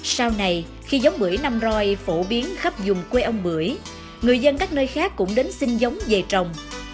sau này khi giống bưởi nam roi phổ biến khắp dùng quê ông bưởi người dân các nơi khác cũng đến sinh giống về trồng